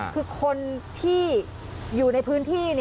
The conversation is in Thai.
คือคนที่อยู่ในพื้นที่